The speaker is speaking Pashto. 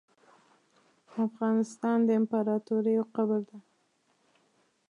افغانستان د امپراتوریو قبر ده .